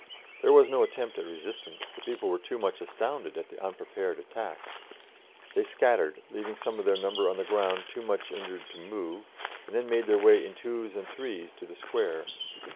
There was no attempt at resistance, the people were too much astounded at the unprepared attack. They scattered, leaving some of their number on the ground too much injured to move, and then made their way in twos and threes to the Square.